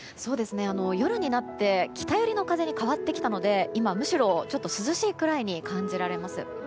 夜になって北寄りの風に変わってきたので今、むしろちょっと涼しいくらいに感じられます。